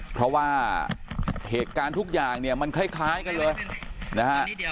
เพราะว่าเหตุการณ์ทุกอย่างเนี่ยมันคล้ายกันเลยนะฮะ